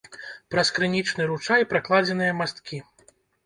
Праз крынічны ручай пракладзеныя масткі.